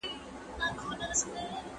هغه لسي چې په موټ کې و ډېر چملک شوی و.